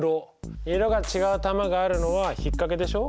色が違う玉があるのは引っ掛けでしょ。